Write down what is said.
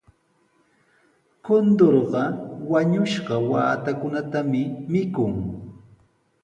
Kunturqa wañushqa waatakunatami mikun.